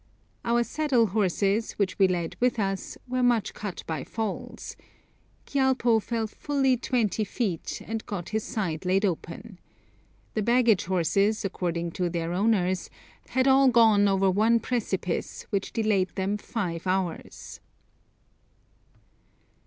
Our saddle horses, which we led with us, were much cut by falls. Gyalpo fell fully twenty feet, and got his side laid open. The baggage horses, according to their owners, had all gone over one precipice, which delayed them five hours.